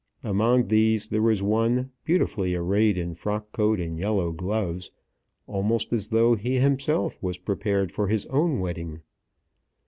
Among these there was one, beautifully arrayed in frock coat and yellow gloves, almost as though he himself was prepared for his own wedding.